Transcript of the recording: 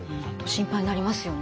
心配になりますよね。